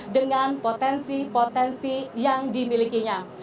dengan potensi potensi yang dimilikinya